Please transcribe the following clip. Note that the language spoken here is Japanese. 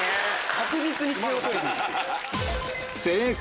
確実に点を取りにいく！